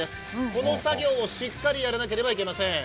この作業をしっかりやらなければいけません。